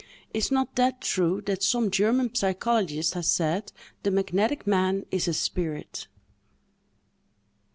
Is not that true, that some German psychologist has said—"_The magnetic man is a spirit!